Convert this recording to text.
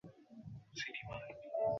তাহলে আমি না যাই।